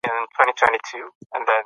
د چاپیریال ساتنې اداره د کمولو هڅه کوي.